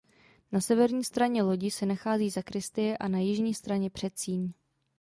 Na severní straně lodi se nachází sakristie a na jižní straně předsíň.